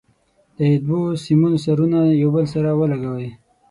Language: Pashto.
د دوو سیمونو سرونه یو له بل سره ولګوئ.